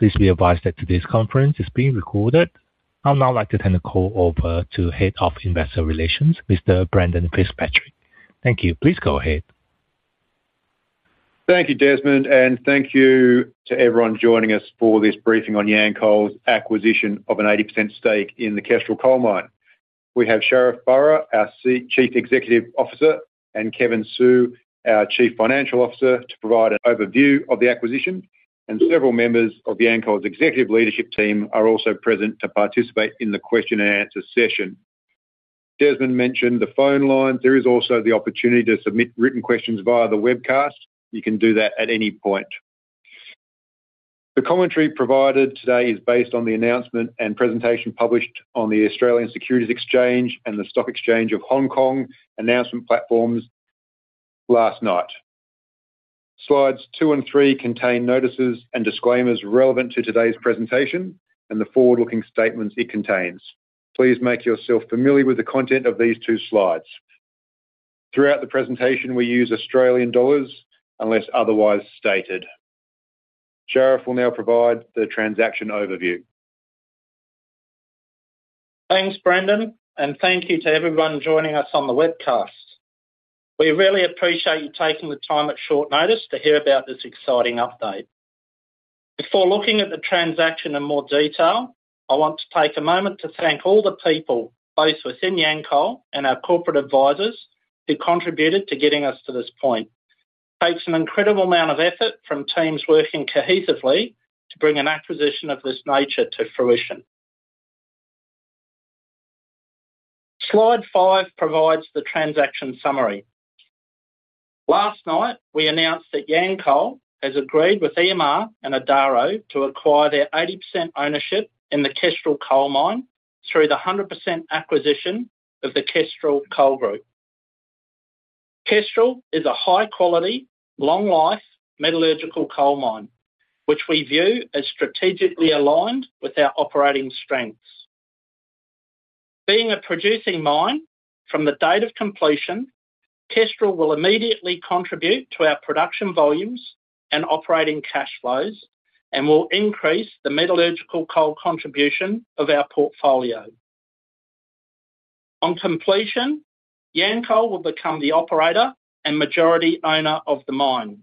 Please be advised that today's conference is being recorded. I would now like to turn the call over to Head of Investor Relations, Mr. Brendan Fitzpatrick. Thank you. Please go ahead. Thank you, Desmond, and thank you to everyone joining us for this briefing on Yancoal's acquisition of an 80% stake in the Kestrel coal mine. We have Sharif Burra, our Chief Executive Officer, and Kevin Su, our Chief Financial Officer, to provide an overview of the acquisition, and several members of Yancoal's executive leadership team are also present to participate in the question and answer session. Desmond mentioned the phone lines. There is also the opportunity to submit written questions via the webcast. You can do that at any point. The commentary provided today is based on the announcement and presentation published on the Australian Securities Exchange and the Stock Exchange of Hong Kong announcement platforms last night. Slides two and three contain notices and disclaimers relevant to today's presentation and the forward-looking statements it contains. Please make yourself familiar with the content of these two slides. Throughout the presentation, we use Australian dollars unless otherwise stated. Sharif will now provide the transaction overview. Thanks, Brendan, and thank you to everyone joining us on the webcast. We really appreciate you taking the time at short notice to hear about this exciting update. Before looking at the transaction in more detail, I want to take a moment to thank all the people, both within Yancoal and our corporate advisors, who contributed to getting us to this point. It takes an incredible amount of effort from teams working cohesively to bring an acquisition of this nature to fruition. Slide five provides the transaction summary. Last night, we announced that Yancoal has agreed with EMR and Adaro to acquire their 80% ownership in the Kestrel coal mine through the 100% acquisition of the Kestrel Coal Group. Kestrel is a high-quality, long life metallurgical coal mine, which we view as strategically aligned with our operating strengths. Being a producing mine from the date of completion, Kestrel will immediately contribute to our production volumes and operating cash flows and will increase the metallurgical coal contribution of our portfolio. On completion, Yancoal will become the operator and majority owner of the mine.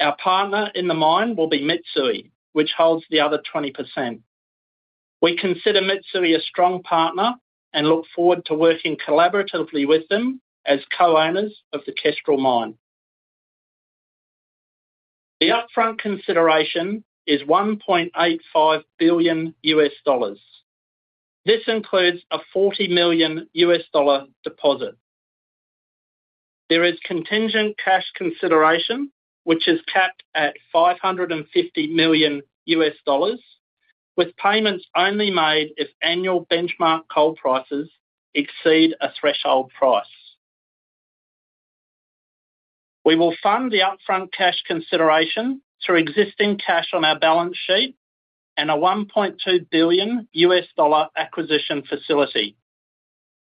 Our partner in the mine will be Mitsui, which holds the other 20%. We consider Mitsui a strong partner and look forward to working collaboratively with them as co-owners of the Kestrel mine. The upfront consideration is $1.85 billion. This includes a $40 million deposit. There is contingent cash consideration, which is capped at $550 million with payments only made if annual benchmark coal prices exceed a threshold price. We will fund the upfront cash consideration through existing cash on our balance sheet and a $1.2 billion acquisition facility.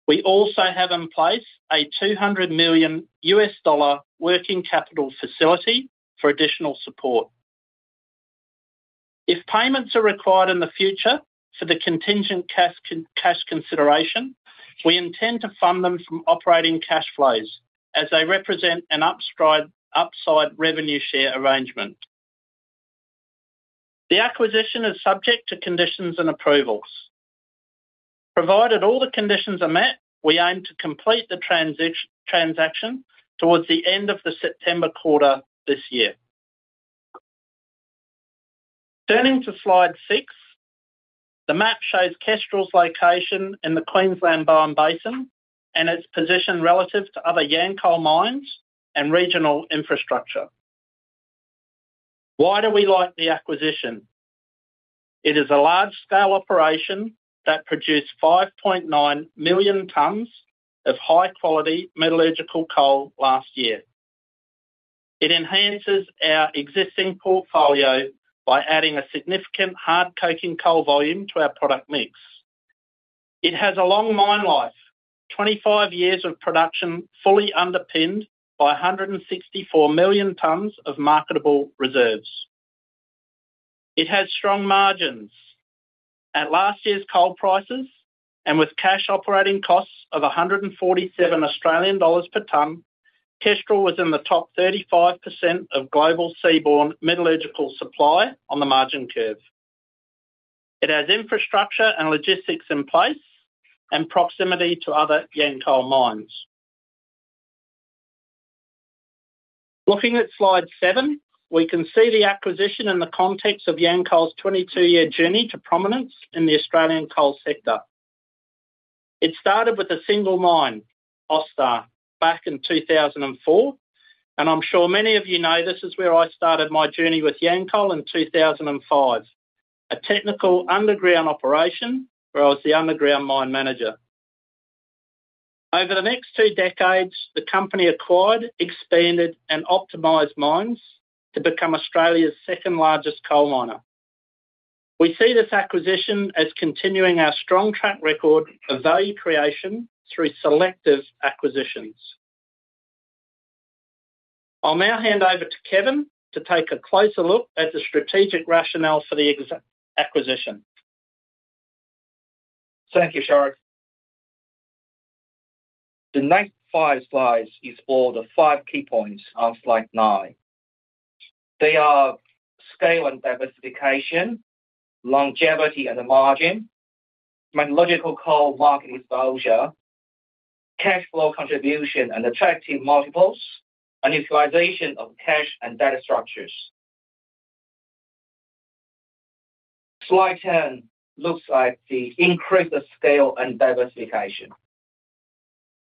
We also have in place a $200 million U.S. working capital facility for additional support. If payments are required in the future for the contingent cash consideration, we intend to fund them from operating cash flows as they represent an upside revenue share arrangement. The acquisition is subject to conditions and approvals. Provided all the conditions are met, we aim to complete the transaction towards the end of the September quarter this year. Turning to slide 6, the map shows Kestrel's location in the Bowen Basin and its position relative to other Yancoal mines and regional infrastructure. Why do we like the acquisition? It is a large-scale operation that produced 5.9 million tons of high-quality metallurgical coal last year. It enhances our existing portfolio by adding a significant hard coking coal volume to our product mix. It has a long mine life, 25 years of production, fully underpinned by 164 million tons of marketable reserves. It has strong margins. At last year's coal prices, and with cash operating costs of 147 Australian dollars per ton, Kestrel was in the top 35% of global seaborne metallurgical supply on the margin curve. It has infrastructure and logistics in place and proximity to other Yancoal mines. Looking at slide seven, we can see the acquisition in the context of Yancoal's 22-year journey to prominence in the Australian coal sector. It started with a single mine, Austar, back in 2004. I'm sure many of you know this is where I started my journey with Yancoal in 2005, a technical underground operation where I was the underground mine manager. Over the next two decades, the company acquired, expanded, and optimized mines to become Australia's second-largest coal miner. We see this acquisition as continuing our strong track record of value creation through selective acquisitions. I'll now hand over to Kevin to take a closer look at the strategic rationale for the acquisition. Thank you, Sharif. The next five slides is for the five key points on slide nine. They are scale and diversification, longevity and margin, metallurgical coal market exposure, cash flow contribution and attractive multiples, and utilization of cash and debt structures. Slide 10 looks at the increased scale and diversification.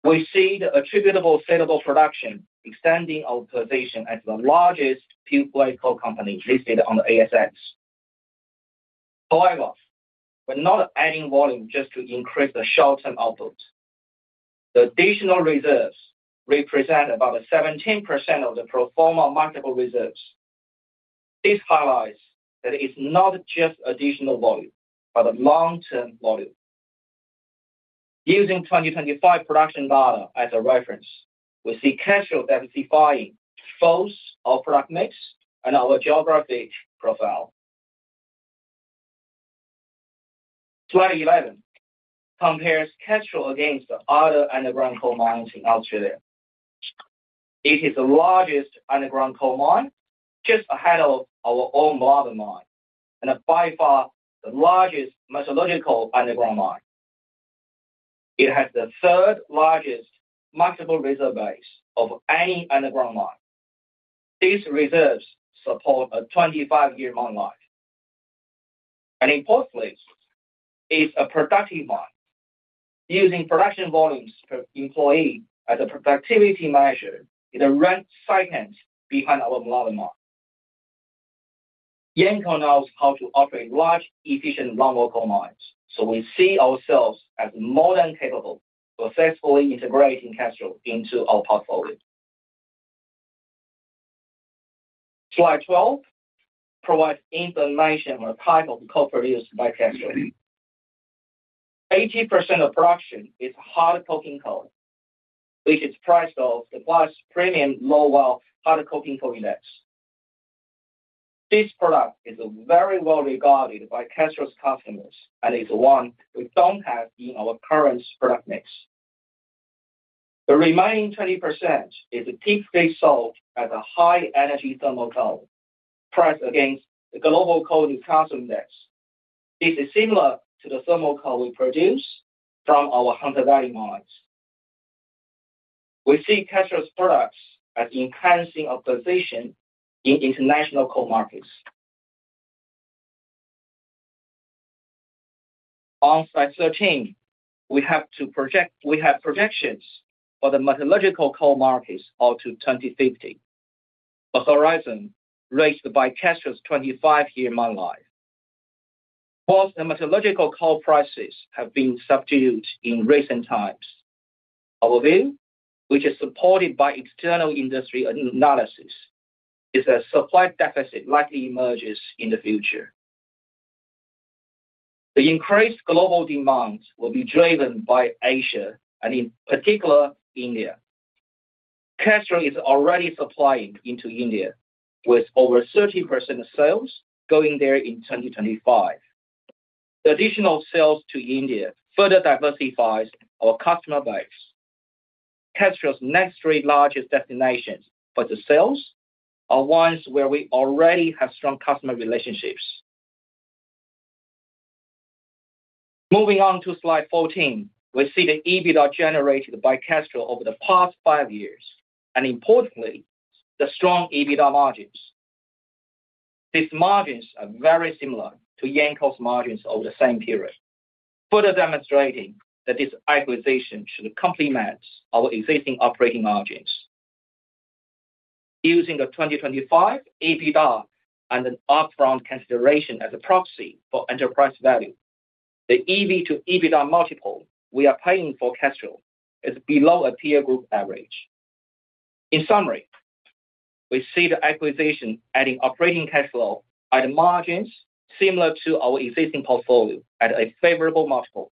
We see the attributable saleable production extending our position as the largest pure play coal company listed on the ASX. However, we're not adding volume just to increase the short-term output. The additional reserves represent about 17% of the pro forma marketable reserves. This highlights that it's not just additional volume, but long-term volume. Using 2025 production data as a reference, we see Kestrel diversifying both our product mix and our geographic profile. Slide 11 compares Kestrel against the other underground coal mines in Australia. It is the largest underground coal mine, just ahead of our own Moolarben mine, and by far the largest metallurgical underground mine. It has the third largest marketable reserve base of any underground mine. These reserves support a 25-year mine life. Importantly, it's a productive mine. Using production volumes per employee as a productivity measure, it is ranked second behind our Moolarben mine. Yancoal knows how to operate large, efficient, longwall coal mines, so we see ourselves as more than capable of successfully integrating Kestrel into our portfolio. Slide 12 provides information on type of coal produced by Kestrel. 80% of production is hard coking coal, which is priced off the Platts Premium Low Vol Hard Coking Coal Index. This product is very well-regarded by Kestrel's customers and is one we don't have in our current product mix. The remaining 20% is [de-gassed seam at a high energy thermal coal, priced against the globalCOAL Newcastle Index. This is similar to the thermal coal we produce from our Hunter Valley mines. We see Kestrel's products as enhancing our position in international coal markets. On slide 13, we have projections for the metallurgical coal markets out to 2050, the horizon raised by Kestrel's 25-year mine life. While the metallurgical coal prices have been subdued in recent times, our view, which is supported by external industry analysis, is that a supply deficit likely emerges in the future. The increased global demand will be driven by Asia, and in particular, India. Kestrel is already supplying into India, with over 30% of sales going there in 2025. The additional sales to India further diversifies our customer base. Kestrel's next three largest destinations for the sales are ones where we already have strong customer relationships. Moving on to slide 14, we see the EBITDA generated by Kestrel over the past five years, and importantly, the strong EBITDA margins. These margins are very similar to Yancoal's margins over the same period, further demonstrating that this acquisition should complement our existing operating margins. Using the 2025 EBITDA and an upfront consideration as a proxy for enterprise value, the EV to EBITDA multiple we are paying for Kestrel is below a peer group average. In summary, we see the acquisition adding operating cash flow and margins similar to our existing portfolio at a favorable multiple.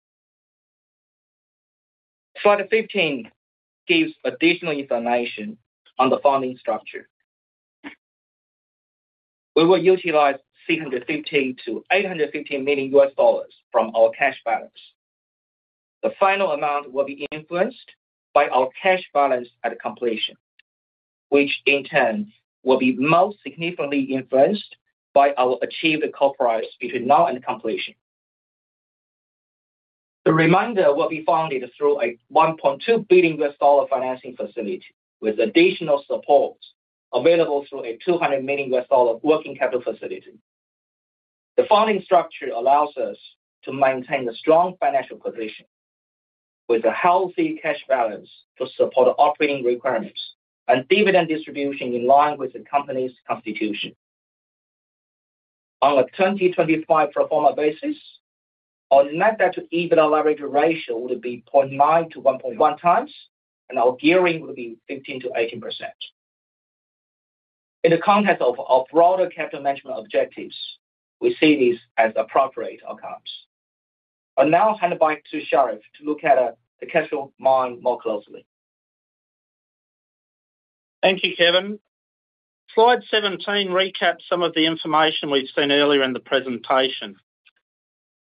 Slide 15 gives additional information on the funding structure. We will utilize $650-$850 million US from our cash balance. The final amount will be influenced by our cash balance at completion, which in turn will be most significantly influenced by our achieved coal price between now and completion. The remainder will be funded through a $1.2 billion US financing facility with additional support available through a $200 million US working capital facility. The funding structure allows us to maintain a strong financial position with a healthy cash balance to support operating requirements and dividend distribution in line with the company's constitution. On a 2025 pro forma basis, our net debt to EBITDA leverage ratio would be 0.9-1.1x, and our gearing would be 15%-18%. In the context of broader capital management objectives, we see this as appropriate outcomes. I'll now hand it back to Sharif to look at the Kestrel mine more closely. Thank you, Kevin. Slide 17 recaps some of the information we've seen earlier in the presentation.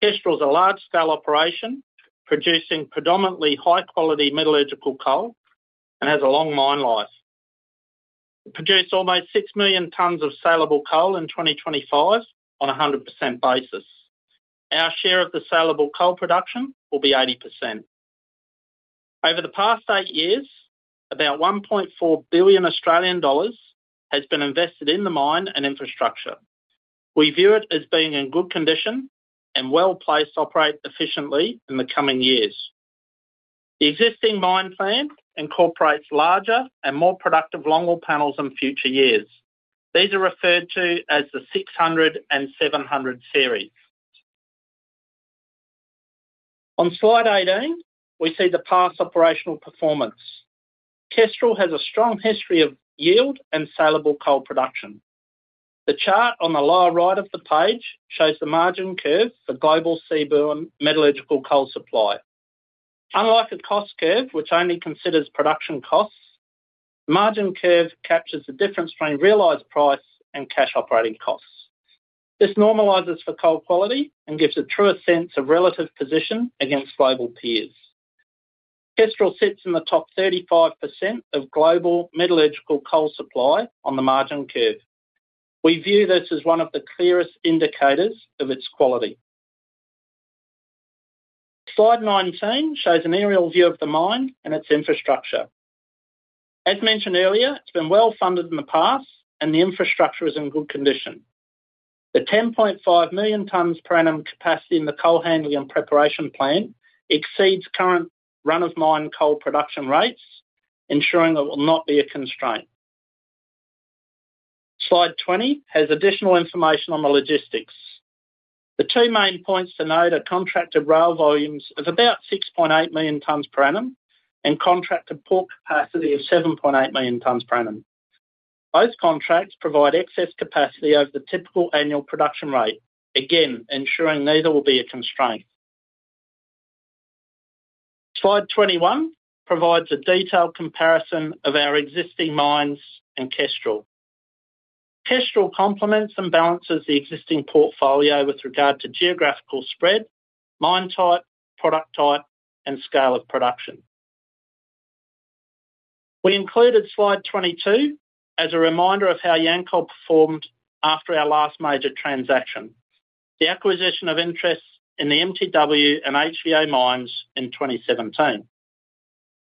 Kestrel is a large-scale operation producing predominantly high-quality metallurgical coal and has a long mine life. It produced almost 6 million tons of saleable coal in 2025 on 100% basis. Our share of the saleable coal production will be 80%. Over the past eight years, about 1.4 billion Australian dollars has been invested in the mine and infrastructure. We view it as being in good condition and well-placed to operate efficiently in the coming years. The existing mine plan incorporates larger and more productive longwall panels in future years. These are referred to as the 600 and 700 series. On slide 18, we see the past operational performance. Kestrel has a strong history of yield and saleable coal production. The chart on the lower right of the page shows the margin curve for global seaborne metallurgical coal supply. Unlike a cost curve, which only considers production costs, the margin curve captures the difference between realized price and cash operating costs. This normalizes for coal quality and gives a truer sense of relative position against global peers. Kestrel sits in the top 35% of global metallurgical coal supply on the margin curve. We view this as one of the clearest indicators of its quality. Slide 19 shows an aerial view of the mine and its infrastructure. As mentioned earlier, it's been well-funded in the past and the infrastructure is in good condition. The 10.5 million tons per annum capacity in the coal handling and preparation plant exceeds current run-of-mine coal production rates, ensuring it will not be a constraint. Slide 20 has additional information on the logistics. The two main points to note are contracted rail volumes of about 6.8 million tons per annum and contracted port capacity of 7.8 million tons per annum. Both contracts provide excess capacity over the typical annual production rate, again, ensuring neither will be a constraint. Slide 21 provides a detailed comparison of our existing mines and Kestrel. Kestrel complements and balances the existing portfolio with regard to geographical spread, mine type, product type, and scale of production. We included slide 22 as a reminder of how Yancoal performed after our last major transaction, the acquisition of interests in the MTW and HVO mines in 2017.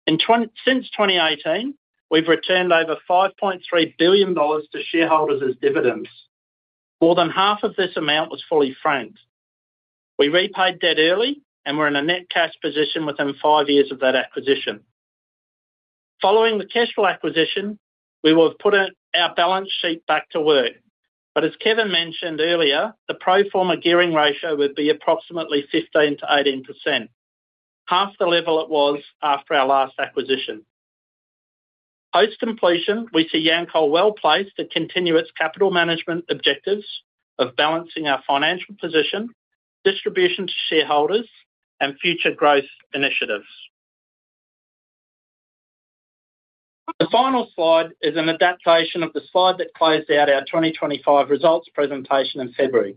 Since 2018, we've returned over 5.3 billion dollars to shareholders as dividends. More than half of this amount was fully franked. We repaid debt early and were in a net cash position within five years of that acquisition. Following the Kestrel acquisition, we will have put our balance sheet back to work. As Kevin mentioned earlier, the pro forma gearing ratio would be approximately 15%-18%, half the level it was after our last acquisition. Post-completion, we see Yancoal well-placed to continue its capital management objectives of balancing our financial position, distribution to shareholders, and future growth initiatives. The final slide is an adaptation of the slide that closed out our 2025 results presentation in February.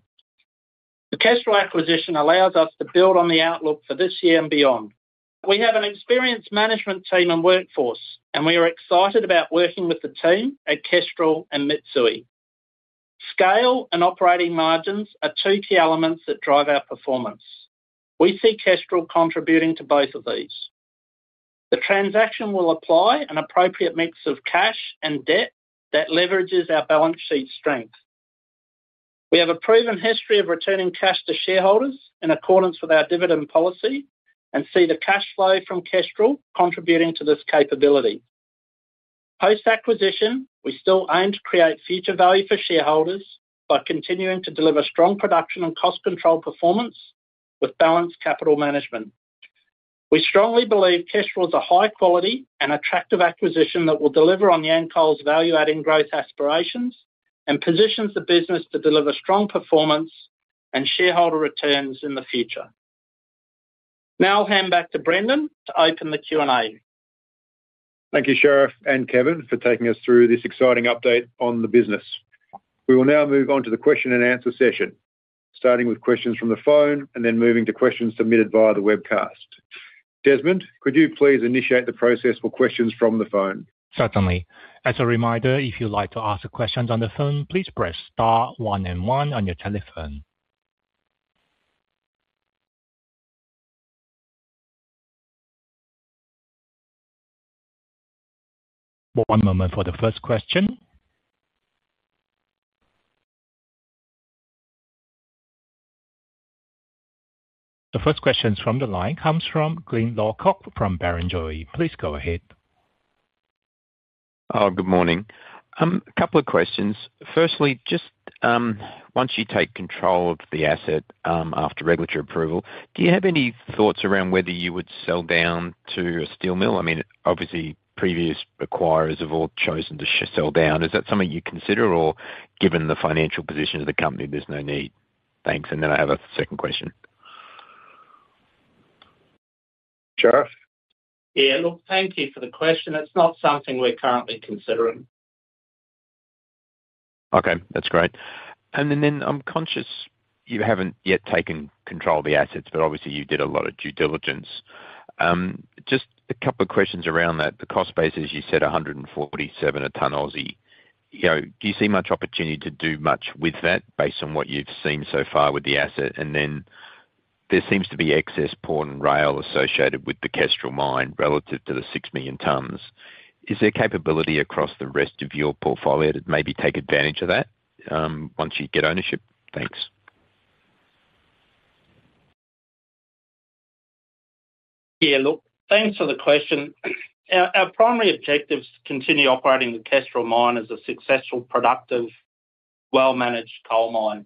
The Kestrel acquisition allows us to build on the outlook for this year and beyond. We have an experienced management team and workforce, and we are excited about working with the team at Kestrel and Mitsui. Scale and operating margins are two key elements that drive our performance. We see Kestrel contributing to both of these. The transaction will apply an appropriate mix of cash and debt that leverages our balance sheet strength. We have a proven history of returning cash to shareholders in accordance with our dividend policy and see the cash flow from Kestrel contributing to this capability. Post-acquisition, we still aim to create future value for shareholders by continuing to deliver strong production and cost control performance with balanced capital management. We strongly believe Kestrel is a high quality and attractive acquisition that will deliver on Yancoal's value-adding growth aspirations and positions the business to deliver strong performance and shareholder returns in the future. Now I'll hand back to Brendan to open the Q&A. Thank you, Sharif and Kevin, for taking us through this exciting update on the business. We will now move on to the question and answer session, starting with questions from the phone and then moving to questions submitted via the webcast. Desmond, could you please initiate the process for questions from the phone? Certainly. As a reminder, if you'd like to ask questions on the phone, please press star one and one on your telephone. One moment for the first question. The first question from the line comes from Glyn Lawcock from Barrenjoey. Please go ahead. Oh, good morning. A couple of questions. Firstly, just once you take control of the asset after regulatory approval, do you have any thoughts around whether you would sell down to a steel mill? I mean, obviously, previous acquirers have all chosen to sell down. Is that something you'd consider, or given the financial position of the company, there's no need? Thanks. I have a second question. Sharif? Yeah. Look, thank you for the question. It's not something we're currently considering. Okay, that's great. I'm conscious you haven't yet taken control of the assets, but obviously you did a lot of due diligence. Just a couple of questions around that. The cost base, as you said, 147 a ton. Do you see much opportunity to do much with that based on what you've seen so far with the asset? There seems to be excess port and rail associated with the Kestrel mine relative to the 6 million tons. Is there capability across the rest of your portfolio to maybe take advantage of that once you get ownership? Thanks. Yeah. Look, thanks for the question. Our primary objective is to continue operating the Kestrel mine as a successful, productive, well-managed coal mine.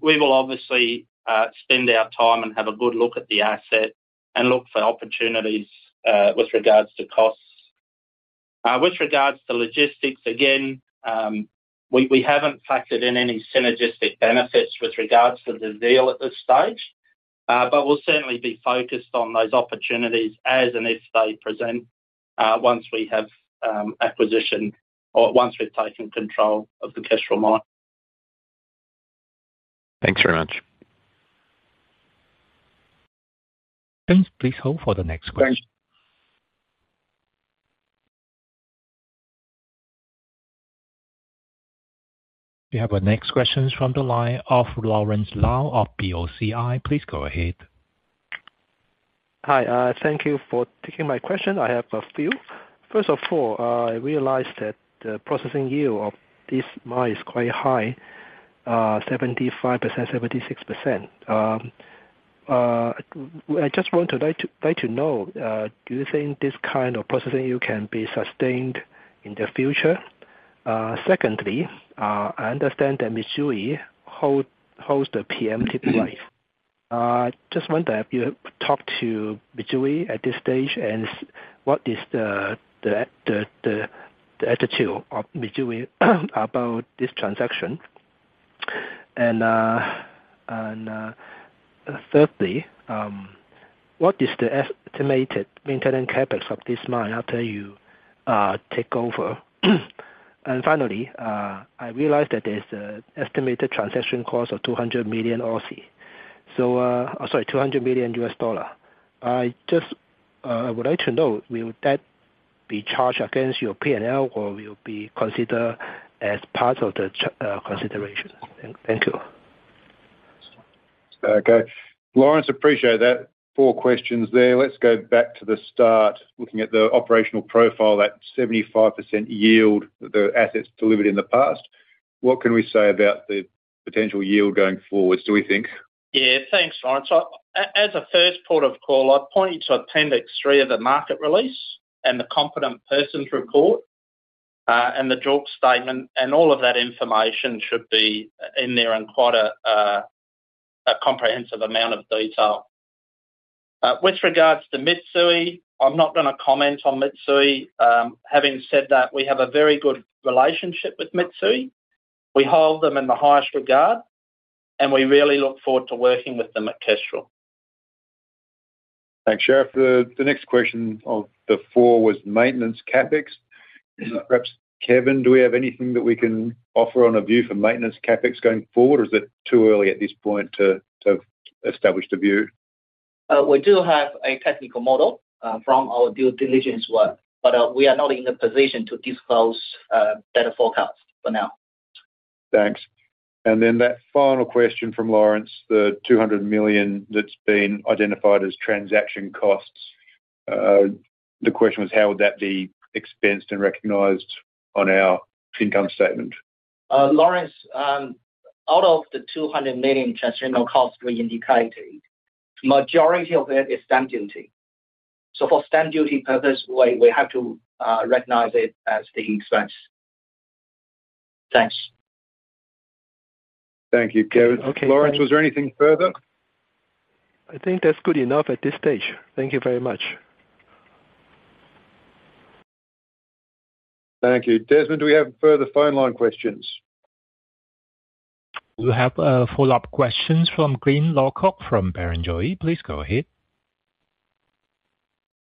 We will obviously spend our time and have a good look at the asset and look for opportunities with regards to costs. With regards to logistics, again, we haven't factored in any synergistic benefits with regards to the deal at this stage. We'll certainly be focused on those opportunities as and if they present, once we have acquisition or once we've taken control of the Kestrel mine. Thanks very much. Thanks. Please hold for the next question. We have our next question from the line of Lawrence Lau of BOCI. Please go ahead. Hi. Thank you for taking my question. I have a few. First of all, I realized that the processing yield of this mine is quite high, 75%, 76%. I just want to like to know, do you think this kind of processing yield can be sustained in the future? Secondly, I understand that Mitsui holds the preemptive right. I just wonder if you talked to Mitsui at this stage, and what is the attitude of Mitsui about this transaction. Thirdly, what is the estimated maintenance CapEx of this mine after you take over? Finally, I realized that there's an estimated transaction cost of 200 million. Sorry, $200 million. I just would like to know, will that be charged against your P&L or will it be considered as part of the consideration? Thank you. Okay. Lawrence, appreciate that. Four questions there. Let's go back to the start, looking at the operational profile, that 75% yield the assets delivered in the past. What can we say about the potential yield going forward, do we think? Yeah. Thanks, Lawrence. As a first port of call, I'd point you to Appendix three of the market release and the Competent Person's Report, and the JORC statement, and all of that information should be in there in quite a comprehensive amount of detail. With regards to Mitsui, I'm not gonna comment on Mitsui. Having said that, we have a very good relationship with Mitsui. We hold them in the highest regard, and we really look forward to working with them at Kestrel. Thanks, Sharif. The next question of the four was maintenance CapEx. Perhaps, Kevin, do we have anything that we can offer on a view for maintenance CapEx going forward, or is it too early at this point to have established a view? We do have a technical model from our due diligence work. We are not in a position to disclose better forecasts for now. Thanks. That final question from Lawrence, the $200 million that's been identified as transaction costs. The question was how would that be expensed and recognized on our income statement? Lawrence, out of the $200 million transactional costs we indicated, majority of it is stamp duty. For stamp duty purpose, we have to recognize it as tax expense. Thanks. Thank you, Kevin. Okay. Lawrence, was there anything further? I think that's good enough at this stage. Thank you very much. Thank you. Desmond, do we have further phone line questions? You have follow-up questions from Glyn Lawcock from Barrenjoey. Please go ahead.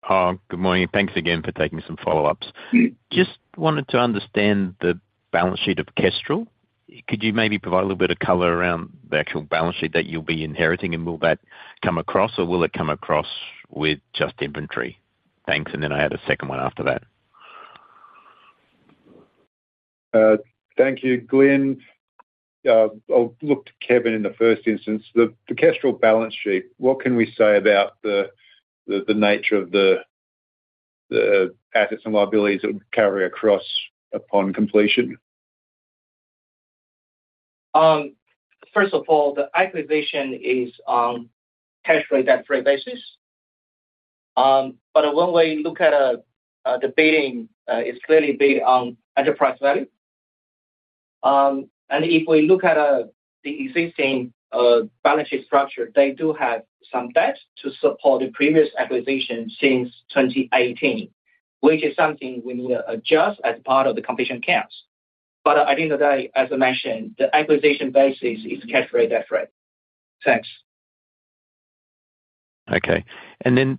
Good morning. Thanks again for taking some follow-ups. Just wanted to understand the balance sheet of Kestrel. Could you maybe provide a little bit of color around the actual balance sheet that you'll be inheriting, and will that come across, or will it come across with just inventory? Thanks. I had a second one after that. Thank you. Glyn, I'll look to Kevin in the first instance. The Kestrel balance sheet, what can we say about the nature of the assets and liabilities that would carry across upon completion? First of all, the acquisition is on Kestrel debt-free basis. When we look at the bidding, it's clearly bid on enterprise value. If we look at the existing balance sheet structure, they do have some debt to support the previous acquisition since 2018. Which is something we need to adjust as part of the completion costs. At the end of the day, as I mentioned, the acquisition basis is cash-free debt-free. Thanks. Okay.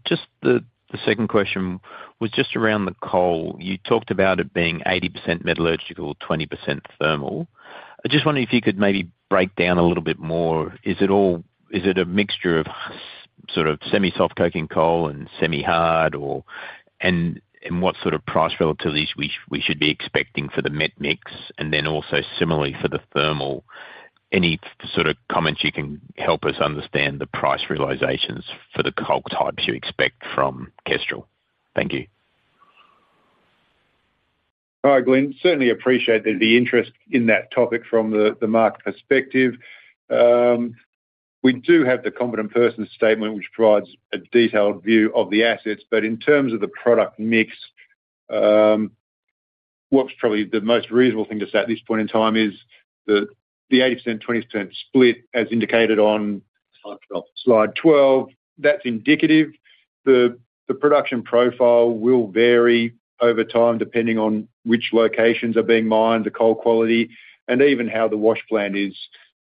Just the second question was just around the coal. You talked about it being 80% metallurgical, 20% thermal. I just wonder if you could maybe break down a little bit more. Is it a mixture of sort of semi-soft coking coal and semi-hard, or what sort of price relativities we should be expecting for the met mix and then also similarly for the thermal? Any sort of comments you can help us understand the price realizations for the coal types you expect from Kestrel. Thank you. Hi, Glyn. Certainly appreciate the interest in that topic from the market perspective. We do have the Competent Person's Report, which provides a detailed view of the assets. In terms of the product mix, what's probably the most reasonable thing to say at this point in time is the 80%, 20% split, as indicated on slide 12. That's indicative. The production profile will vary over time, depending on which locations are being mined, the coal quality, and even how the wash plant is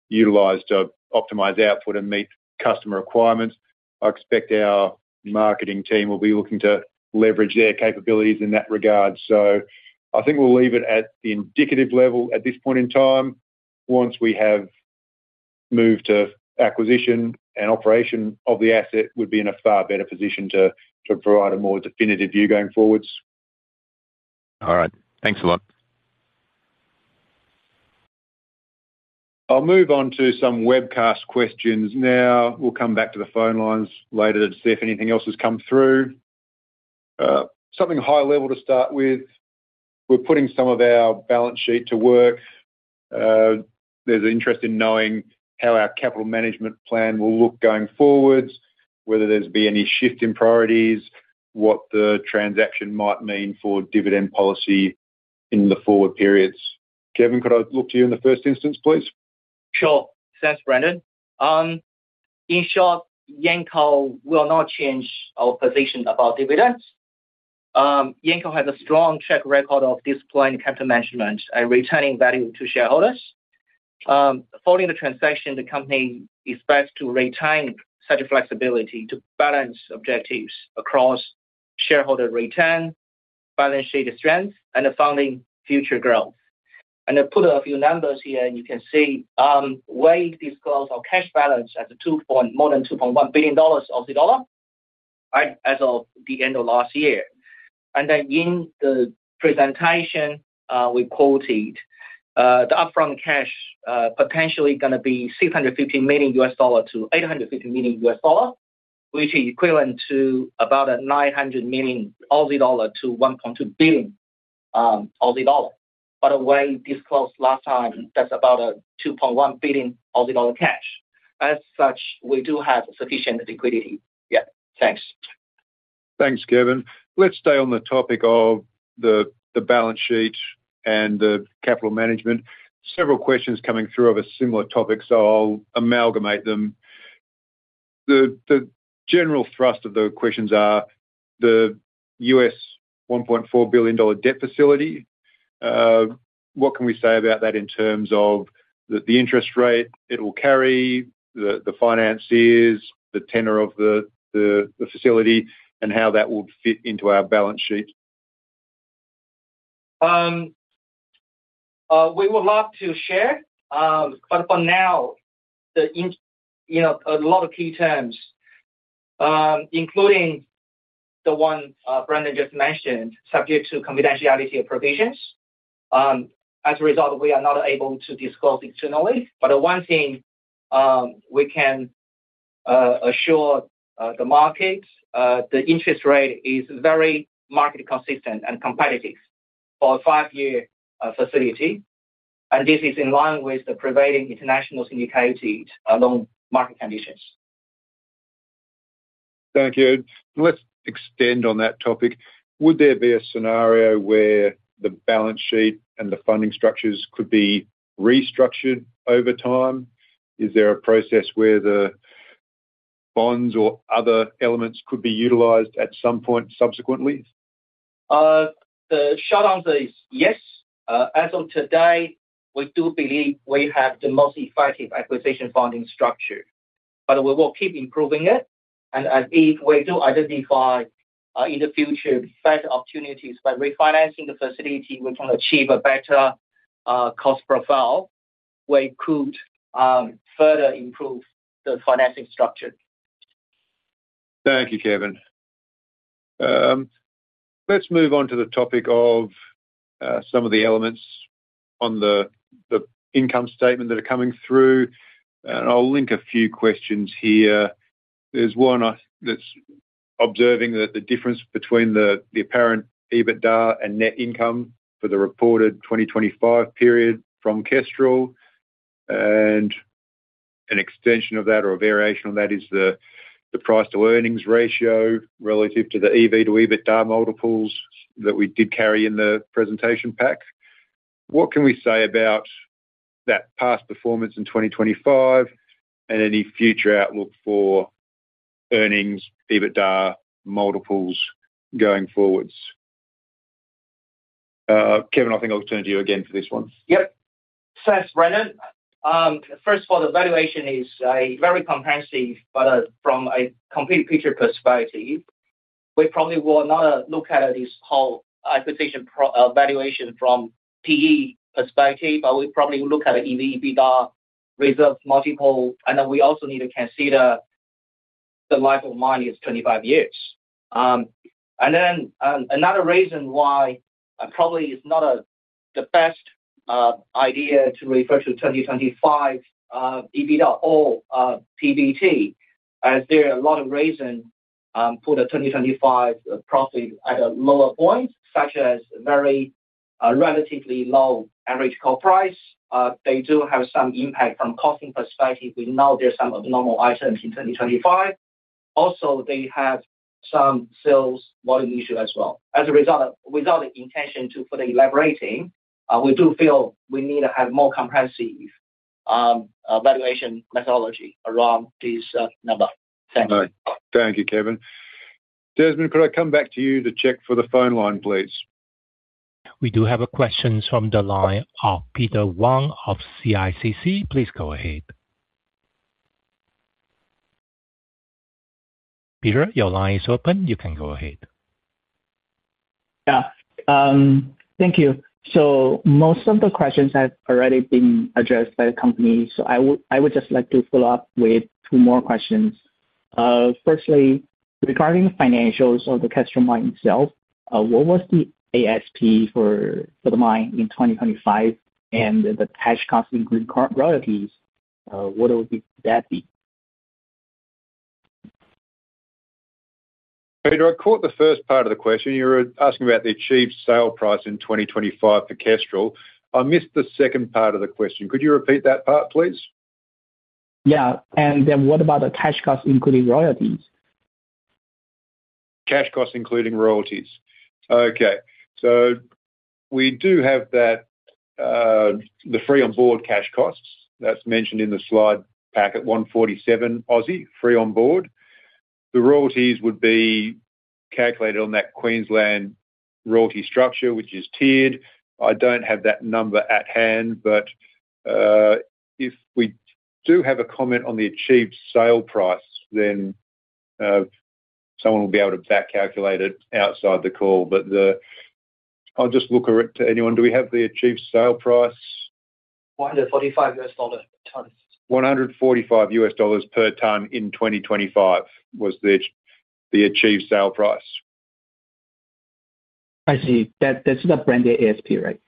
utilized to optimize output and meet customer requirements. I expect our marketing team will be looking to leverage their capabilities in that regard. I think we'll leave it at the indicative level at this point in time. Once we have moved to acquisition and operation of the asset, we'd be in a far better position to provide a more definitive view going forwards. All right. Thanks a lot. I'll move on to some webcast questions now. We'll come back to the phone lines later to see if anything else has come through. Something high level to start with. We're putting some of our balance sheet to work. There's an interest in knowing how our capital management plan will look going forwards, whether there'll be any shift in priorities, what the transaction might mean for dividend policy in the forward periods. Kevin, could I look to you in the first instance, please? Sure. Thanks, Brendan. In short, Yancoal will not change our position about dividends. Yancoal has a strong track record of disciplined capital management and returning value to shareholders. Following the transaction, the company expects to retain such flexibility to balance objectives across shareholder return, balance sheet strength, and the funding future growth. I put a few numbers here, and you can see, we disclose our cash balance as more than 2.1 billion dollars as of the end of last year. Then in the presentation, we quoted, the upfront cash, potentially gonna be $650 million-$850 million, which is equivalent to about 900 million-1.2 billion Aussie dollar. By the way, disclosed last time, that's about 2.1 billion Aussie dollar cash. As such, we do have sufficient liquidity. Yeah, thanks. Thanks, Kevin. Let's stay on the topic of the balance sheet and the capital management. Several questions coming through of a similar topic, so I'll amalgamate them. The general thrust of the questions are the U.S. $1.4 billion debt facility. What can we say about that in terms of the interest rate it'll carry, the financiers, the tenor of the facility, and how that will fit into our balance sheet? We would love to share, but for now, a lot of key terms, including the one Brendan just mentioned, subject to confidentiality provisions. As a result, we are not able to disclose internally. The one thing we can assure the market, the interest rate is very market consistent and competitive for a five-year facility, and this is in line with the prevailing international syndicated loan market conditions. Thank you. Let's extend on that topic. Would there be a scenario where the balance sheet and the funding structures could be restructured over time? Is there a process where the bonds or other elements could be utilized at some point subsequently? The short answer is yes. As of today, we do believe we have the most effective acquisition funding structure, but we will keep improving it. If we do identify, in the future, better opportunities by refinancing the facility, we can achieve a better cost profile. We could further improve the financing structure. Thank you, Kevin. Let's move on to the topic of some of the elements on the income statement that are coming through. I'll link a few questions here. There's one that's observing the difference between the apparent EBITDA and net income for the reported 2025 period from Kestrel, and an extension of that or a variation on that is the price to earnings ratio relative to the EV to EBITDA multiples that we did carry in the presentation pack. What can we say about that past performance in 2025 and any future outlook for earnings, EBITDA, multiples going forwards? Kevin, I think I'll turn to you again for this one. Yep. Thanks, Brendan. First of all, the valuation is very comprehensive, but from a complete picture perspective, we probably will not look at this whole valuation from PE perspective, but we probably look at an EV/EBITDA reserves multiple, and then we also need to consider the life of mine is 25 years. Then another reason why probably it's not the best idea to refer to 2025 EBITDA or PBT, as there are a lot of reason for the 2025 profit at a lower point, such as very relatively low average coal price. They do have some impact from costing perspective. We know there's some abnormal items in 2025. Also, they have some sales volume issue as well. As a result, without the intention for elaborating, we do feel we need to have more comprehensive valuation methodology around this number. Thank you. All right. Thank you, Kevin. Desmond, could I come back to you to check for the phone line, please? We do have a question from the line of Peter Wang of CICC. Please go ahead. Peter, your line is open. You can go ahead. Yeah. Thank you. Most of the questions have already been addressed by the company. I would just like to follow up with two more questions. Firstly, regarding financials of the Kestrel mine itself, what was the ASP for the mine in 2025 and the cash cost, including current royalties, what would that be? Peter, I caught the first part of the question. You were asking about the achieved sale price in 2025 for Kestrel. I missed the second part of the question. Could you repeat that part, please? Yeah. What about the cash cost, including royalties? Cash costs, including royalties. Okay. We do have the FOB cash costs that's mentioned in the slide pack at 147, FOB. The royalties would be calculated on that Queensland royalty structure, which is tiered. I don't have that number at hand, but if we do have a comment on the achieved sale price, then someone will be able to back calculate it outside the call. I'll just look to anyone. Do we have the achieved sale price? $145 a ton. $145 per ton in 2025 was the achieved sale price. I see. That's the blended ASP, right?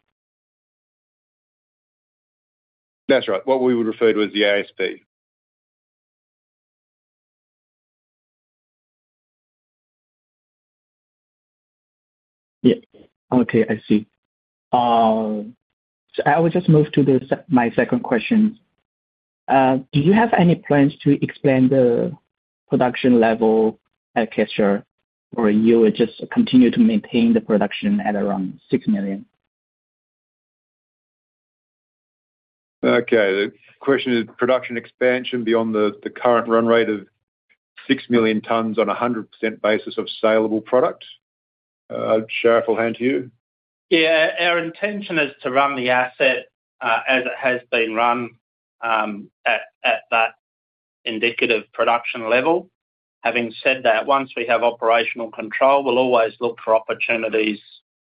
That's right. What we referred was the ASP. Yeah. Okay. I see. I will just move to my second question. Do you have any plans to expand the production level at Kestrel, or you would just continue to maintain the production at around 6 million? Okay. The question is production expansion beyond the current run rate of 6 million tons on a 100% basis of salable product. Sharif, I'll hand to you. Yeah. Our intention is to run the asset, as it has been run at that indicative production level. Having said that, once we have operational control, we'll always look for opportunities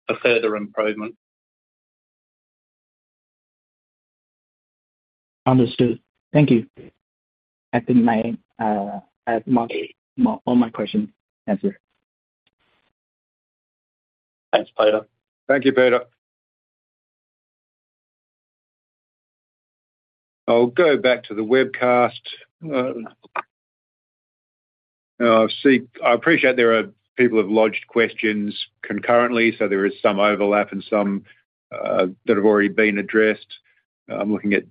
for further improvement. Understood. Thank you. That's all my questions answered. Thanks, Peter. Thank you, Peter. I'll go back to the webcast. I appreciate there are people who've lodged questions concurrently, so there is some overlap and some that have already been addressed. I'm looking at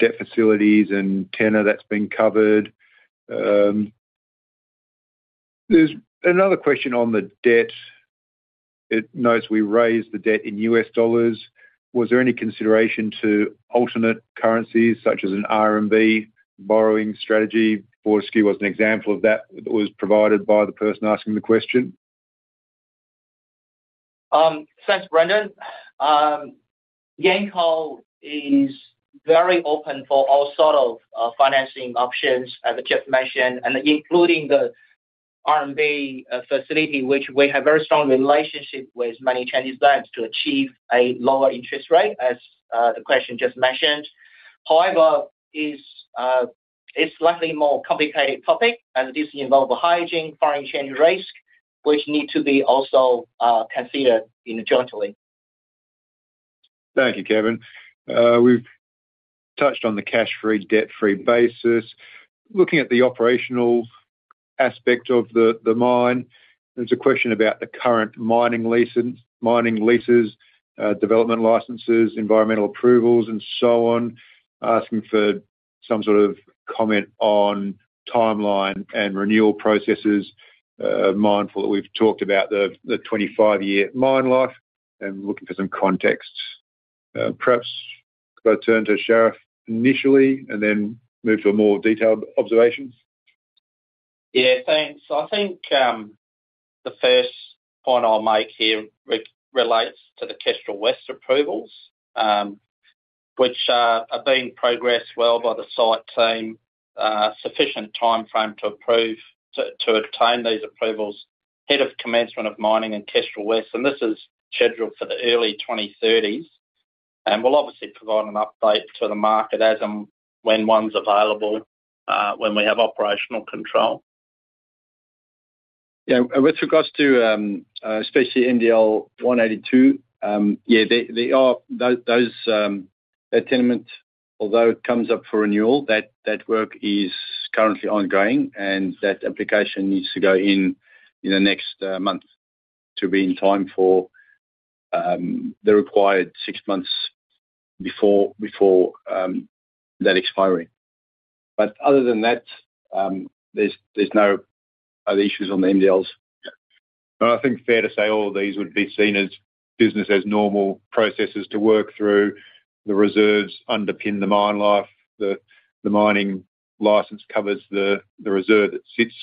debt facilities and tenor that's been covered. There's another question on the debt. It notes we raised the debt in U.S. dollars. Was there any consideration to alternate currencies such as an RMB borrowing strategy? Fortescue was an example of that. It was provided by the person asking the question. Thanks, Brendan. Yancoal is very open for all sort of financing options, as the chair mentioned, and including the RMB facility, which we have very strong relationship with many Chinese banks to achieve a lower interest rate as the question just mentioned. However, it's slightly more complicated topic as this involve hedging foreign exchange risk, which need to be also considered jointly. Thank you, Kevin. We've touched on the cash-free, debt-free basis. Looking at the operational aspect of the mine, there's a question about the current mining leases, development licenses, environmental approvals, and so on, asking for some sort of comment on timeline and renewal processes. Mindful that we've talked about the 25-year mine life and we're looking for some context. Perhaps could I turn to Sharif initially and then move to a more detailed observation? Yeah, thanks. I think the first point I'll make here relates to the Kestrel West approvals, which are being progressed well by the site team. Sufficient timeframe to obtain these approvals ahead of commencement of mining in Kestrel West, and this is scheduled for the early 2030s. We'll obviously provide an update to the market as and when one's available, when we have operational control. Yeah. With regards to, especially MDL 182, that tenement, although it comes up for renewal, that work is currently ongoing and that application needs to go in in the next month to be in time for the required six months before that expiry. Other than that, there's no other issues on the MDLs. I think fair to say all these would be seen as business as normal processes to work through. The reserves underpin the mine life. The mining license covers the reserve that sits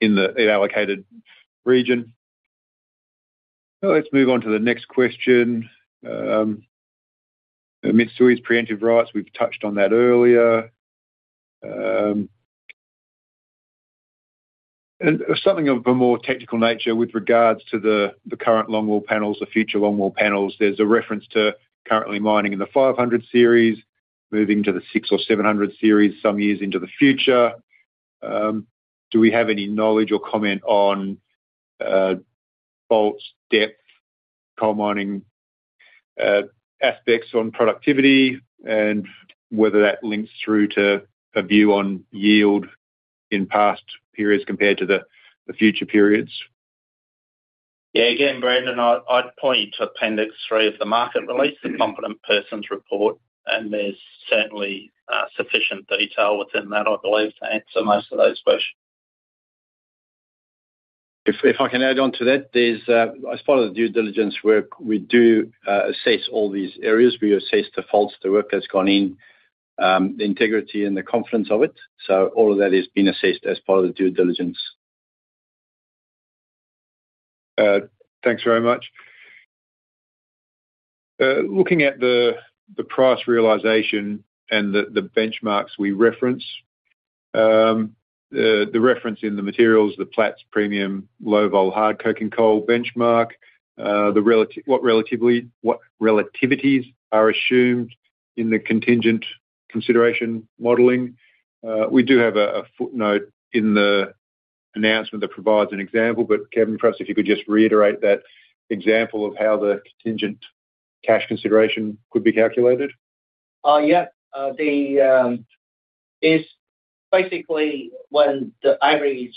in the allocated region. Let's move on to the next question. Mitsui's preemptive rights, we've touched on that earlier. Something of a more technical nature with regards to the current longwall panels, the future longwall panels. There's a reference to currently mining in the 500 series, moving to the 600 or 700 series some years into the future. Do we have any knowledge or comment on fault depth, coal mining aspects on productivity, and whether that links through to a view on yield in past periods compared to the future periods? Yeah, again, Brendan, I'd point you to Appendix three of the market release, the Competent Person's Report, and there's certainly sufficient detail within that, I believe, to answer most of those questions. If I can add on to that. As part of the due diligence work, we do assess all these areas. We assess the faults, the work that's gone in, the integrity and the confidence of it. All of that is being assessed as part of the due diligence. Thanks very much. Looking at the price realization and the benchmarks we reference. The reference in the materials, the Platts premium low vol hard coking coal benchmark. What relativities are assumed in the contingent consideration modeling? We do have a footnote in the announcement that provides an example. Kevin, perhaps if you could just reiterate that example of how the contingent cash consideration could be calculated. Yeah. It's basically when the average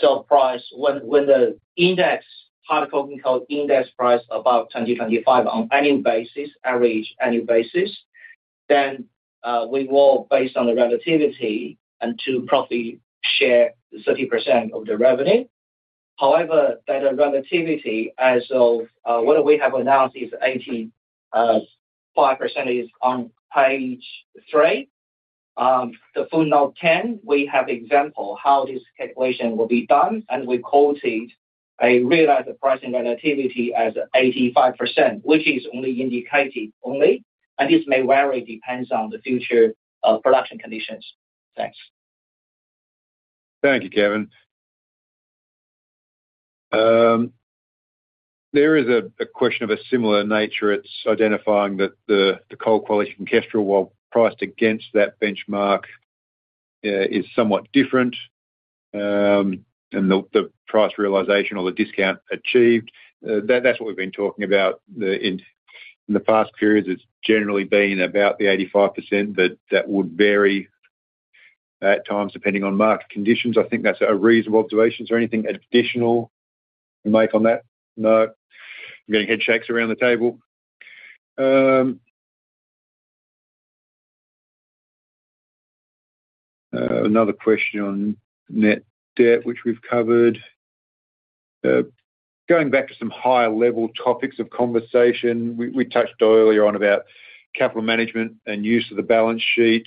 sell price, when the hard coking coal index price above $202.5 on annual basis, average annual basis, then we will, based on the relativity, and to profit share 30% of the revenue. However, better relativity as of what we have announced is 85% on page three, the footnote 10. We have an example how this calculation will be done, and we quoted a realized pricing relativity as 85%, which is only indicated, and this may vary, it depends on the future production conditions. Thanks. Thank you, Kevin. There is a question of a similar nature. It's identifying that the coal quality from Kestrel, while priced against that benchmark, is somewhat different, and the price realization or the discount achieved. That's what we've been talking about. In the past periods, it's generally been about 85%, but that would vary at times depending on market conditions. I think that's a reasonable observation. Is there anything additional you can make on that? No. I'm getting head shakes around the table. Another question on net debt, which we've covered. Going back to some higher-level topics of conversation. We touched earlier on about capital management and use of the balance sheet,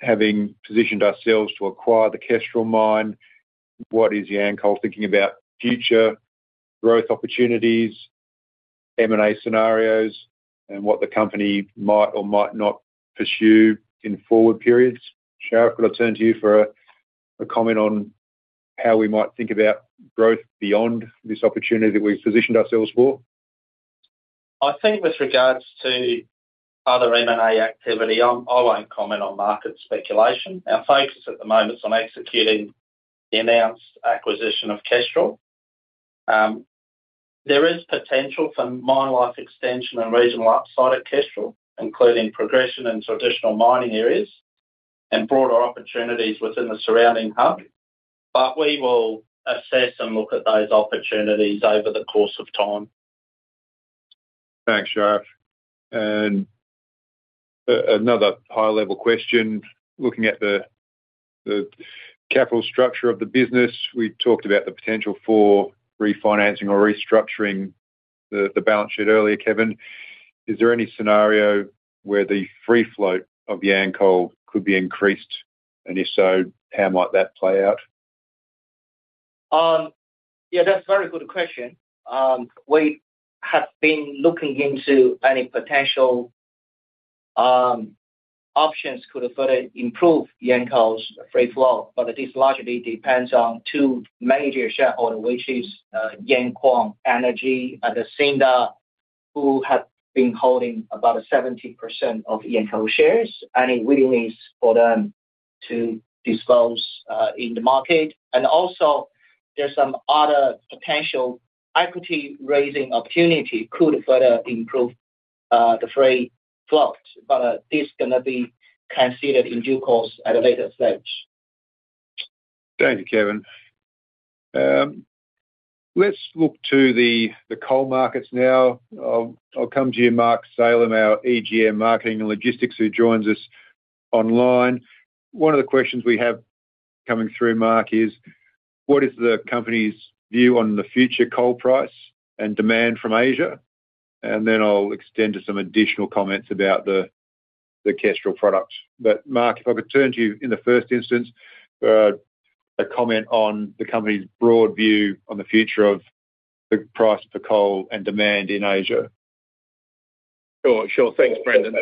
having positioned ourselves to acquire the Kestrel mine. What is Yancoal thinking about future growth opportunities, M&A scenarios, and what the company might or might not pursue in forward periods? Sharif, could I turn to you for a comment on how we might think about growth beyond this opportunity that we've positioned ourselves for? I think with regards to other M&A activity, I won't comment on market speculation. Our focus at the moment is on executing the announced acquisition of Kestrel. There is potential for mine life extension and regional upside at Kestrel, including progression into additional mining areas and broader opportunities within the surrounding hub. We will assess and look at those opportunities over the course of time. Thanks, Sharif. Another high-level question. Looking at the capital structure of the business, we talked about the potential for refinancing or restructuring the balance sheet earlier, Kevin. Is there any scenario where the free float of Yancoal could be increased? If so, how might that play out? Yeah, that's a very good question. We have been looking into any potential options could further improve Yancoal's free float, but this largely depends on two major shareholders, which is Yankuang Energy and Cinda, who have been holding about 70% of Yancoal shares, any willingness for them to dispose in the market. Also there's some other potential equity-raising opportunity could further improve the free float. But this is gonna be considered in due course at a later stage. Thank you, Kevin. Let's look to the coal markets now. I'll come to you, Mark Salem, our EGM, Marketing and Logistics, who joins us online. One of the questions we have coming through Mark is. What is the company's view on the future coal price and demand from Asia? Then I'll extend to some additional comments about the Kestrel products. Mark, if I could turn to you in the first instance for a comment on the company's broad view on the future of the price for coal and demand in Asia. Sure. Thanks, Brendan.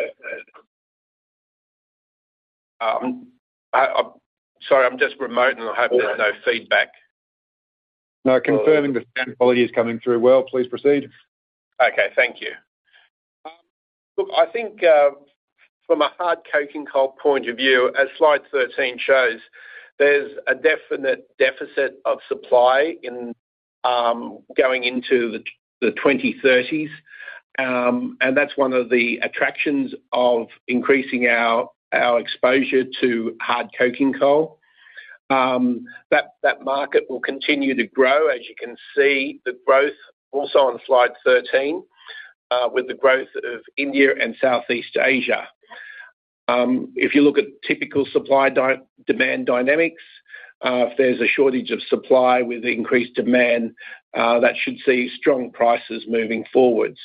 Sorry, I'm just remote and I hope there's no feedback. No, confirming the sound quality is coming through well. Please proceed. Okay. Thank you. Look, I think from a hard coking coal point of view, as slide 13 shows, there's a definite deficit of supply going into the 2030s, and that's one of the attractions of increasing our exposure to hard coking coal. That market will continue to grow, as you can see, the growth also on slide 13, with the growth of India and Southeast Asia. If you look at typical supply-demand dynamics, if there's a shortage of supply with increased demand, that should see strong prices moving forward.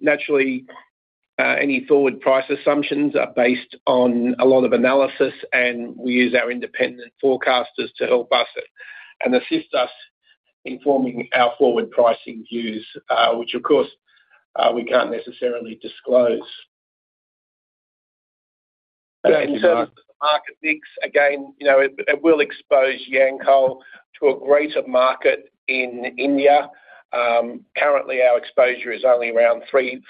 Naturally, any forward price assumptions are based on a lot of analysis, and we use our independent forecasters to help us and assist us in forming our forward pricing views, which of course, we can't necessarily disclose. Thank you, Mark. In terms of the market mix, again, it will expose Yancoal to a greater market in India. Currently, our exposure is only around 3%-4%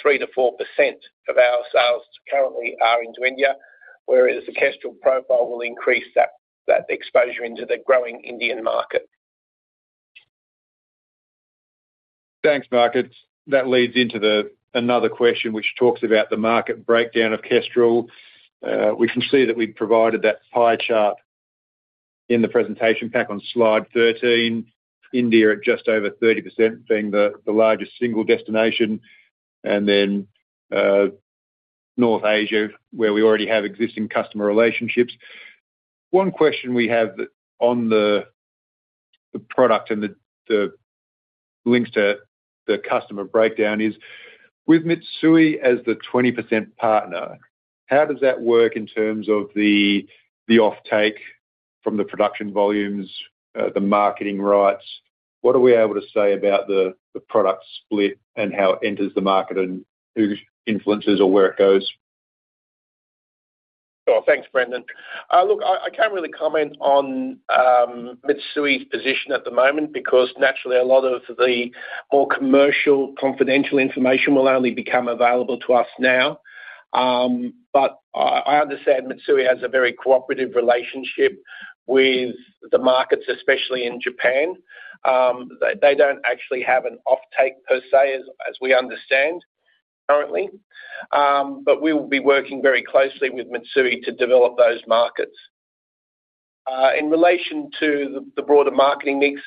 of our sales currently are into India, whereas the Kestrel profile will increase that exposure into the growing Indian market. Thanks, Mark. That leads into another question which talks about the market breakdown of Kestrel. We can see that we've provided that pie chart in the presentation pack on slide 13. India at just over 30% being the largest single destination, and then North Asia, where we already have existing customer relationships. One question we have on the product and the links to the customer breakdown is: With Mitsui as the 20% partner, how does that work in terms of the offtake from the production volumes, the marketing rights? What are we able to say about the product split and how it enters the market and who influences or where it goes? Sure. Thanks, Brendan. Look, I can't really comment on Mitsui's position at the moment because naturally a lot of the more commercial confidential information will only become available to us now. I understand Mitsui has a very cooperative relationship with the markets, especially in Japan. They don't actually have an offtake per se, as we understand currently. We will be working very closely with Mitsui to develop those markets. In relation to the broader marketing mix,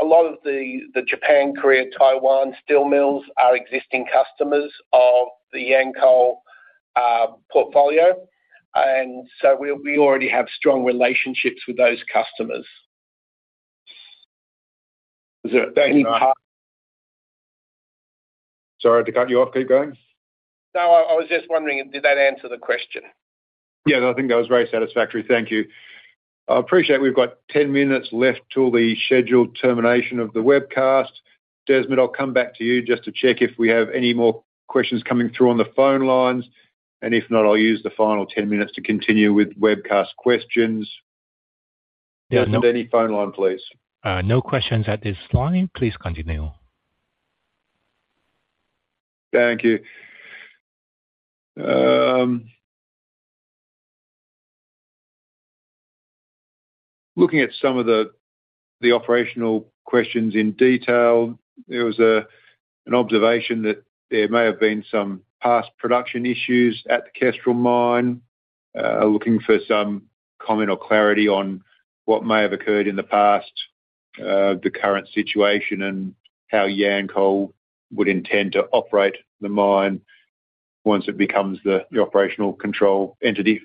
a lot of the Japan, Korea, Taiwan steel mills are existing customers of the Yancoal portfolio, and so we already have strong relationships with those customers. Is there any part- Sorry to cut you off. Keep going. No, I was just wondering, did that answer the question? Yeah, I think that was very satisfactory. Thank you. I appreciate we've got 10 minutes left till the scheduled termination of the webcast. Desmond, I'll come back to you just to check if we have any more questions coming through on the phone lines. If not, I'll use the final 10 minutes to continue with webcast questions. Desmond, any phone line, please. No questions at this line. Please continue. Thank you. Looking at some of the operational questions in detail, there was an observation that there may have been some past production issues at the Kestrel mine. Looking for some comment or clarity on what may have occurred in the past, the current situation, and how Yancoal would intend to operate the mine once it becomes the operational control entity.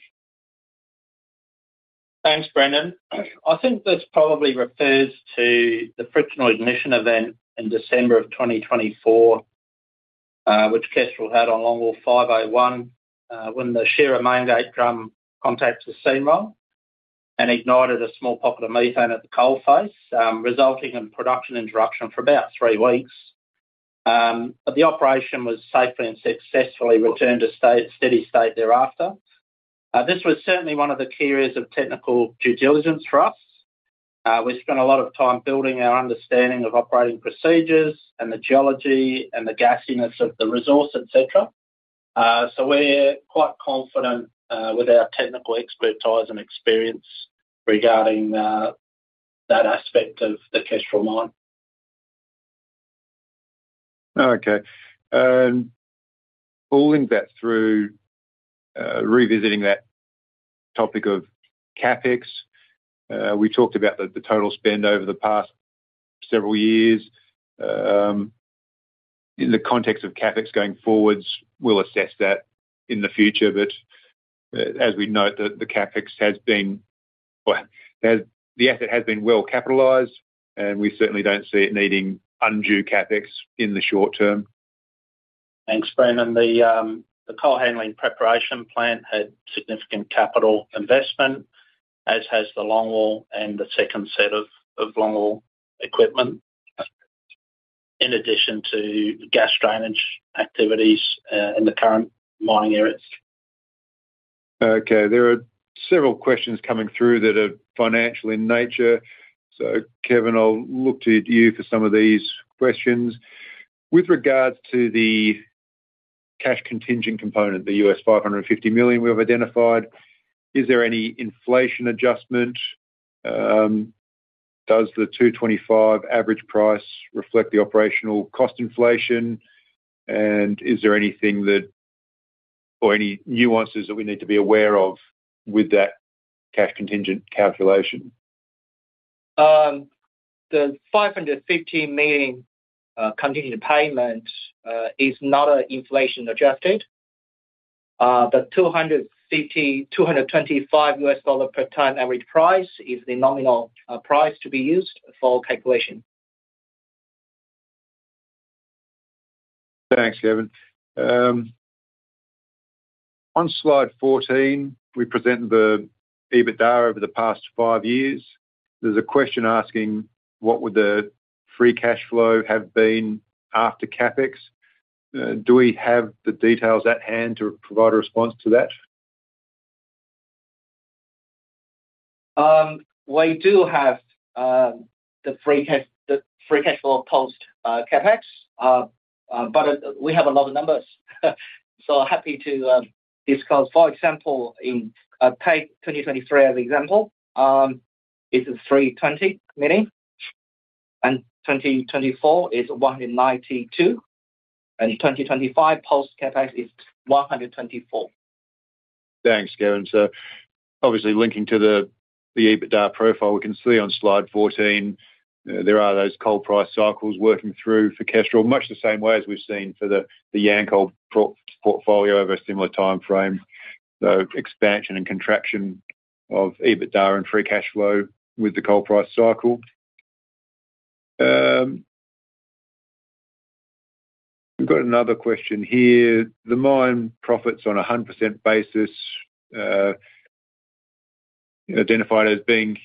Thanks, Brendan. I think this probably refers to the frictional ignition event in December of 2024, which Kestrel had on Longwall 501, when the shearer maingate drum contacted the seam and ignited a small pocket of methane at the coalface, resulting in production interruption for about three weeks. The operation was safely and successfully returned to steady state thereafter. This was certainly one of the key areas of technical due diligence for us. We spent a lot of time building our understanding of operating procedures and the geology and the gassiness of the resource, et cetera. We're quite confident with our technical expertise and experience regarding that aspect of the Kestrel mine. Okay. Pulling that through, revisiting that topic of CapEx. We talked about the total spend over the past several years. In the context of CapEx going forwards, we'll assess that in the future. As we note, the asset has been well capitalized, and we certainly don't see it needing undue CapEx in the short term. Thanks, Brendan. The coal handling preparation plant had significant capital investment, as has the longwall and the second set of longwall equipment, in addition to gas drainage activities in the current mining areas. Okay. There are several questions coming through that are financial in nature. Kevin, I'll look to you for some of these questions. With regards to the cash contingent component, the $550 million we've identified, is there any inflation adjustment? Does the $225 average price reflect the operational cost inflation? And is there anything that, or any nuances that we need to be aware of with that cash contingent calculation? The $550 million contingent payment is not inflation adjusted. The $225 per ton average price is the nominal price to be used for calculation. Thanks, Kevin. On slide 14, we present the EBITDA over the past five years. There's a question asking, what would the free cash flow have been after CapEx? Do we have the details at hand to provide a response to that? We do have the free cash flow post CapEx, but we have a lot of numbers. Happy to discuss. For example, take 2023 as an example. It is 320 million, and 2024 is 192 million, and 2025 post CapEx is 124 million. Thanks, Kevin. Obviously linking to the EBITDA profile, we can see on slide 14, there are those coal price cycles working through for Kestrel, much the same way as we've seen for the Yancoal portfolio over a similar time frame. Expansion and contraction of EBITDA and free cash flow with the coal price cycle. We've got another question here. The mine profits on 100% basis, identified as being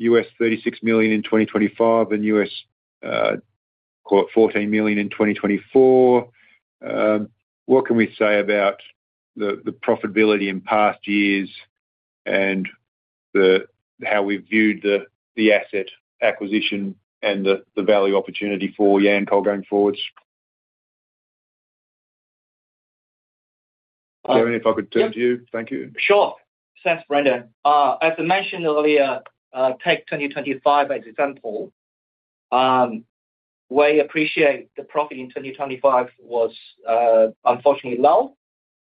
$36 million in 2025 and $14 million in 2024. What can we say about the profitability in past years and how we viewed the asset acquisition and the value opportunity for Yancoal going forward? Kevin, if I could turn to you. Thank you. Sure. Thanks, Brendan. As I mentioned earlier, take 2025 as example. We appreciate the profit in 2025 was unfortunately low,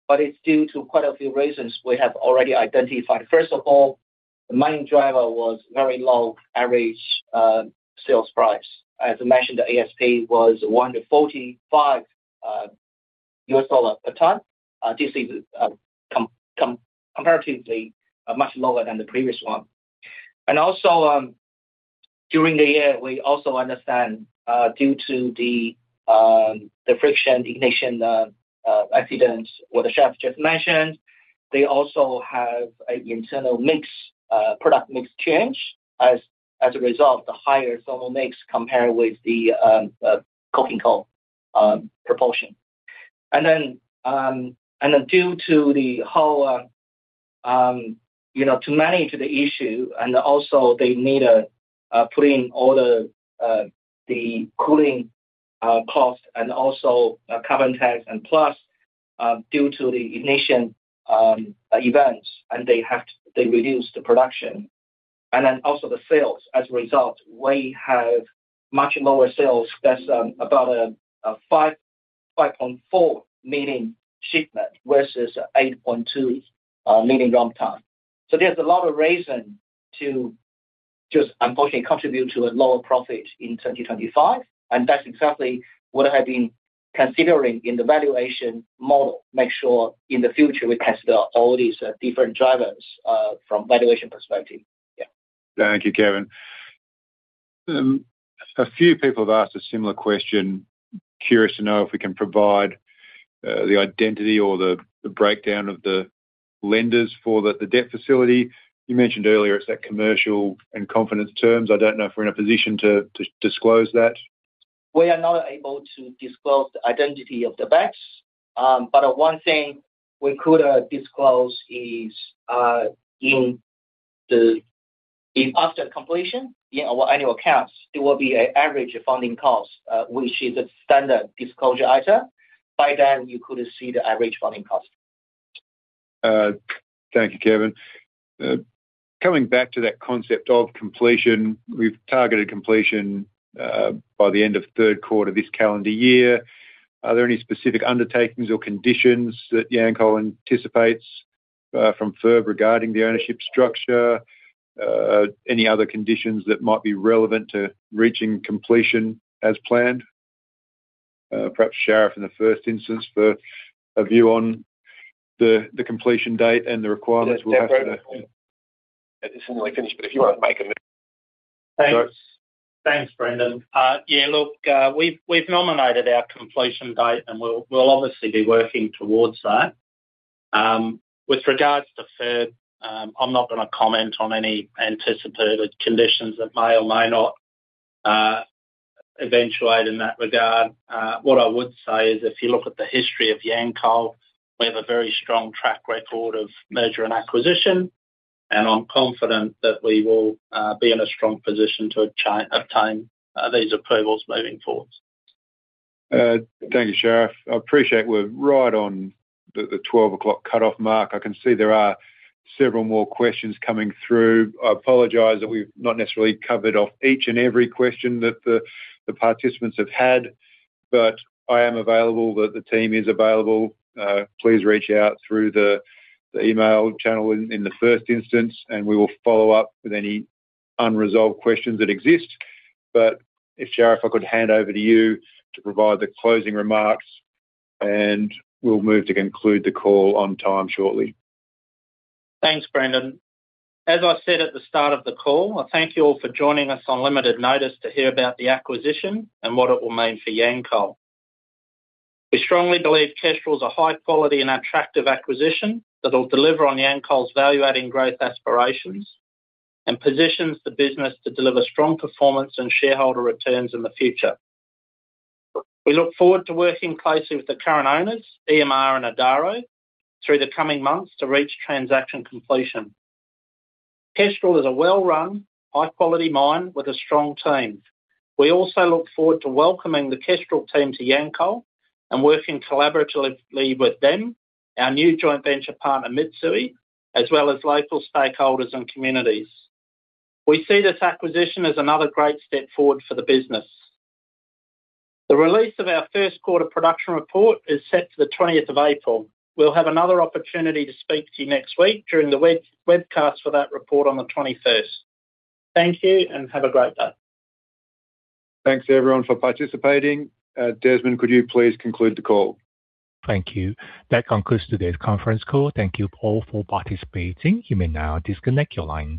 but it's due to quite a few reasons we have already identified. First of all, the main driver was very low average sales price. As I mentioned, the ASP was $145 per ton. This is comparatively much lower than the previous one. During the year, we also understand, due to the frictional ignition accident what the Sharif just mentioned, they also have an internal product mix change. As a result, the higher thermal mix compared with the coking coal proportion. Then due to how to manage the issue, they need a put in all the cooling cost and also carbon tax, plus, due to the ignition events, they reduce the production. Then also the sales. As a result, we have much lower sales. That's about a 5.4 million shipment versus 8.2 million runtime. There's a lot of reason to just unfortunately contribute to a lower profit in 2025, and that's exactly what I have been considering in the valuation model. Make sure in the future we consider all these different drivers, from valuation perspective. Yeah. Thank you, Kevin. A few people have asked a similar question. Curious to know if we can provide the identity or the breakdown of the lenders for the debt facility. You mentioned earlier it's at commercial in confidence terms. I don't know if we're in a position to disclose that. We are not able to disclose the identity of the banks. One thing we could disclose is, if after completion, in our annual accounts, there will be an average funding cost, which is a standard disclosure item. By then, you could see the average funding cost. Thank you, Kevin. Coming back to that concept of completion, we've targeted completion by the end of third quarter this calendar year. Are there any specific undertakings or conditions that Yancoal anticipates from FIRB regarding the ownership structure? Any other conditions that might be relevant to reaching completion as planned? Perhaps, Sharif, in the first instance for a view on the completion date and the requirements we'll have to Yeah. Definitely. It's nearly finished, but if you want to make a. Thanks, Brendan. Yeah, look, we've nominated our completion date, and we'll obviously be working towards that. With regards to FIRB, I'm not going to comment on any anticipated conditions that may or may not eventuate in that regard. What I would say is if you look at the history of Yancoal, we have a very strong track record of merger and acquisition, and I'm confident that we will be in a strong position to obtain these approvals moving forward. Thank you, Sharif. I appreciate we're right on the 12 o'clock cutoff mark. I can see there are several more questions coming through. I apologize that we've not necessarily covered off each and every question that the participants have had. I am available, the team is available. Please reach out through the email channel in the first instance, and we will follow up with any unresolved questions that exist. If, Sharif, I could hand over to you to provide the closing remarks, and we'll move to conclude the call on time shortly. Thanks, Brendan. As I said at the start of the call, I thank you all for joining us on limited notice to hear about the acquisition and what it will mean for Yancoal. We strongly believe Kestrel is a high quality and attractive acquisition that will deliver on Yancoal's value-adding growth aspirations and positions the business to deliver strong performance and shareholder returns in the future. We look forward to working closely with the current owners, EMR and Adaro, through the coming months to reach transaction completion. Kestrel is a well-run, high-quality mine with a strong team. We also look forward to welcoming the Kestrel team to Yancoal and working collaboratively with them, our new joint venture partner, Mitsui, as well as local stakeholders and communities. We see this acquisition as another great step forward for the business. The release of our first quarter production report is set for the twentieth of April. We'll have another opportunity to speak to you next week during the webcast for that report on the twenty-first. Thank you and have a great day. Thanks everyone for participating. Desmond, could you please conclude the call? Thank you. That concludes today's conference call. Thank you all for participating. You may now disconnect your lines.